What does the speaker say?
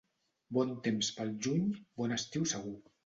Bon temps pel juny, bon estiu segur.